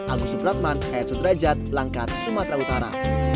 agus subratman hayat sudrajat langkat sumatera utara